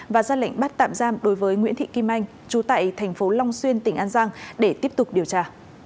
và ra lệnh bắt tạm giam đối với nguyễn thị kim anh chú tại thành phố long xuyên tỉnh an giang để tiếp tục điều tra